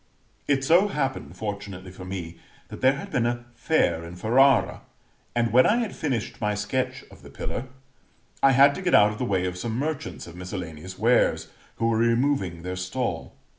It so happened, fortunately for me, that there had been a fair in Ferrara; and, when I had finished my sketch of the pillar, I had to get out of the way of some merchants of miscellaneous wares, who were removing their stall.